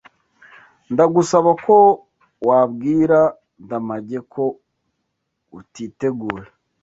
Ndagusaba ko wabwira Ndamage ko utiteguye.